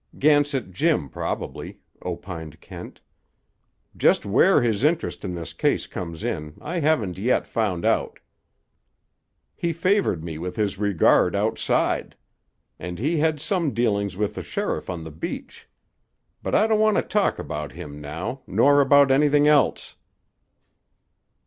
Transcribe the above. "Gansett Jim, probably," opined Kent. "Just where his interest in this case comes in, I haven't yet found out. He favored me with his regard outside. And he had some dealings with the sheriff on the beach. But I don't want to talk about him now, nor about anything else."